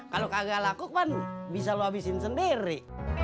kalau kagak laku kan bisa lu habisin sendiri